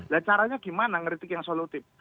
nah caranya gimana ngeritik yang solutif